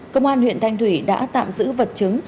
công an huyện thanh thủy đã tạm giữ vật chứng